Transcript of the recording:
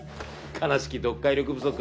悲しき読解力不足。